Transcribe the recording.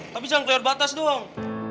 tapi jangan terbatas doang